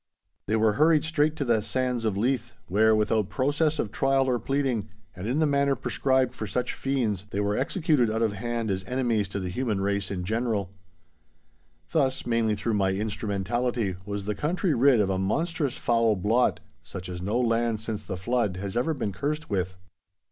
They were hurried straight to the sands of Leith, where, without process of trial or pleading, and in the manner prescribed for such fiends, they were executed out of hand as enemies to the human race in general. Thus, mainly through my instrumentality, was the country rid of a monstrous foul blot such as no land since the flood has ever been cursed with.